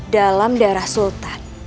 dalam darah sultan